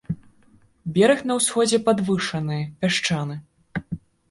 Бераг на ўсходзе падвышаны, пясчаны.